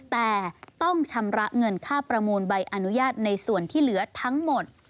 แต่ต้องชำระเงินค่าประมูลใบอนุญาตในส่วนที่เหลือทั้งหมด